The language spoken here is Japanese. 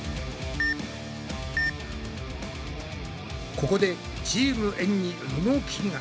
ここでチームエんに動きが！